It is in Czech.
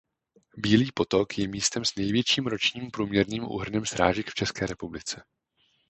Bílý Potok je místem s největším ročním průměrným úhrnem srážek v České republice.